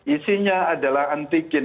isinya adalah antigen